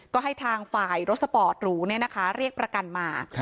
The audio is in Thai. ก็ให้ทางฝ่ายรถสปอร์ตหรูเรียกประกันมา